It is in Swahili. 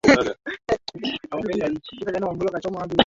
Vitongoji elfu tatu mia saba ishirini na nane